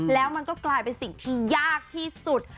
แล้วมันก็กลายเป็นสิ่งที่ยากที่สุด